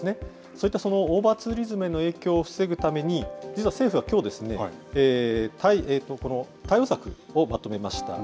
そういったオーバーツーリズムの影響を防ぐために、実は政府がきょう、対応策をまとめました。